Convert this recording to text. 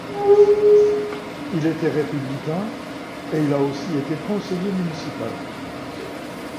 Il était républicain et il a aussi été conseiller municipal.